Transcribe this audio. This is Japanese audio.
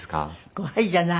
怖いじゃない。